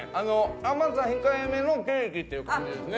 甘さ控えめのケーキっていう感じですね。